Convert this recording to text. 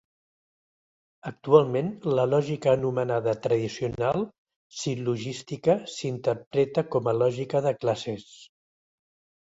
Actualment la lògica anomenada tradicional, sil·logística, s'interpreta com a lògica de classes.